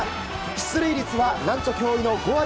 出塁率は、何と驚異の５割。